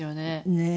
ねえ。